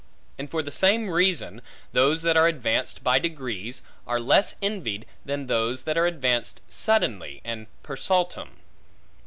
And for the same reason, those that are advanced by degrees, are less envied than those that are advanced suddenly and per saltum.